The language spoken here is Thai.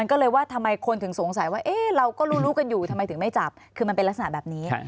ก็เลยว่าทำไมคนถึงสงสัยว่าเราก็รู้รู้กันอยู่ทำไมถึงไม่จับคือมันเป็นลักษณะแบบนี้